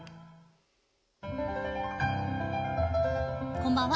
こんばんは。